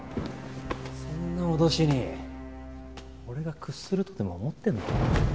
そんな脅しに俺が屈するとでも思ってんの？